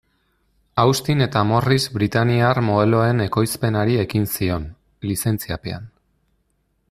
Austin eta Morris britainiar modeloen ekoizpenari ekin zion, lizentziapean.